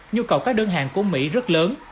nhu cầu các đơn hàng của mỹ rất lớn